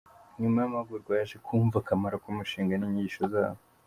Nyuma y’amahugurwa, yaje kumva akamaro k’umushinga n’inyigisho zawo.